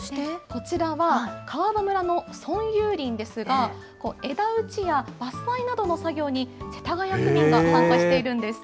こちらは川場村の村有林ですが、枝打ちや伐採などの作業に世田谷区民が参加しているんです。